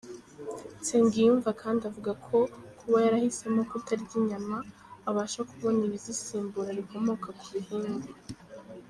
Nsengiyumva kandi avuga ko kuba yarahisemo kutarya inyama, abasha kubona ibizisimbura bikomoka ku bihingwa.